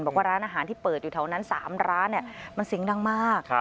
บอกว่าร้านอาหารที่เปิดอยู่แถวนั้น๓ร้านมันเสียงดังมาก